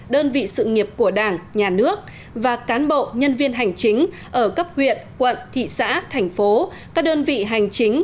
đơn vị sự nghiệp của đảng nhà nước và cán bộ nhân viên hành chính ở cấp huyện quận thị xã thành phố các đơn vị hành chính